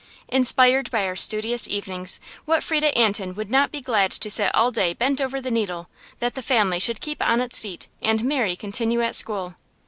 Inspired by our studious evenings, what Frieda Antin would not be glad to sit all day bent over the needle, that the family should keep on its feet, and Mary continue at school?